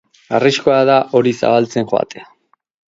Arriskua da hori zabaltzen joatea.